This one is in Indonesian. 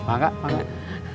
pak kak pak kak